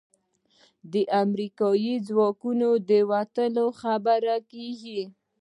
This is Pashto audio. د امریکايي ځواکونو د وتلو خبرې کېږي.